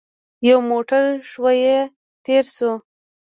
يو موټر ښويه تېر شو.